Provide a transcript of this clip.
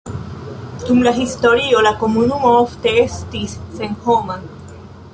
Dum la historio la komunumo ofte estis senhoma.